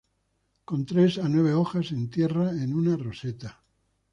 Con tres a nueve hojas en tierra en una roseta.